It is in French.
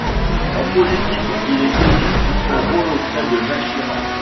En politique, il est connu pour son rôle auprès de Jacques Chirac.